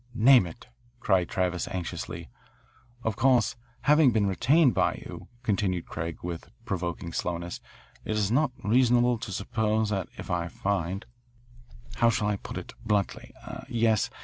"Name it," cried Travis anxiously. "Of course, having been retained by you," continued Craig with provoking slowness, "it is not reasonable to suppose that if I find how shall I put it bluntly, yes?